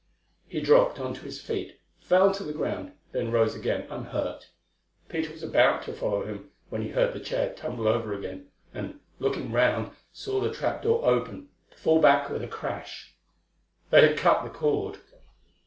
He dropped on to his feet, fell to the ground, then rose again, unhurt. Peter was about to follow him when he heard the chair tumble over again, and, looking round, saw the trap door open, to fall back with a crash. They had cut the cord!